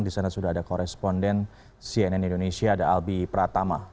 di sana sudah ada koresponden cnn indonesia ada albi pratama